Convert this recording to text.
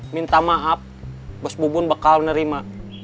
minta maaf bos bubun bakal menerima